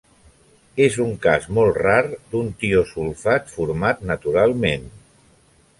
És un cas molt rar d'un tiosulfat format naturalment.